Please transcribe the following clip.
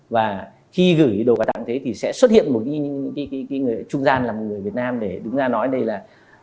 và khi gửi đồ quà tặng thế thì sẽ xuất hiện một người trung gian là một người việt nam để đứng ra nói đây là